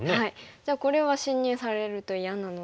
じゃあこれは侵入されると嫌なのでオサえます。